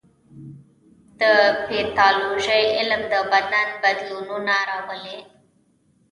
د پیتالوژي علم د بدن بدلونونه لولي.